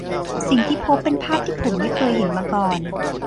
สิ่งที่พบเป็นภาพที่ผมไม่เคยเห็นมาก่อน